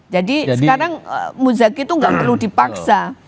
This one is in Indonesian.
karena sekarang muzaki itu gak perlu dipaksa